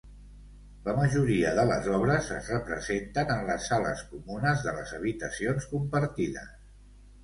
La majoria de les obres es representen en les sales comunes de les habitacions compartides.